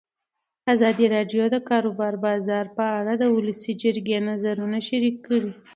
ازادي راډیو د د کار بازار په اړه د ولسي جرګې نظرونه شریک کړي.